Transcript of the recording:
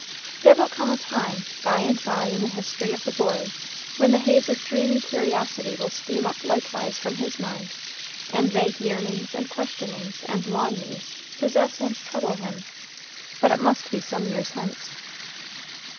There will come a time, by and by in the history of the boy, when the haze of dreamy curiosity will steam up likewise from his mind, and vague yearnings, and questionings, and longings possess and trouble him, but it must be some years hence.